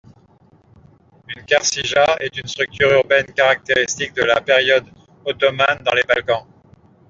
Une čaršija est une structure urbaine caractéristique de la période ottomane dans les Balkans.